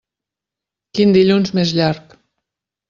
Quin dilluns més llarg!